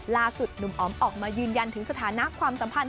ล่าสุดหนุ่มอ๋อมออกมายืนยันถึงสถานะความสัมพันธ์